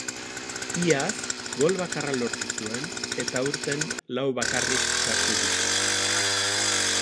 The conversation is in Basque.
Iaz gol bakarra lortu zuen eta aurten lau bakarrik sartu ditu.